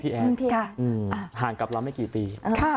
แอนห่างกับเราไม่กี่ปี